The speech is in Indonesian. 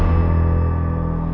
laki laki itu masih hidup